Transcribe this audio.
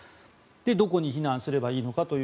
ではどこに避難すればいいのか。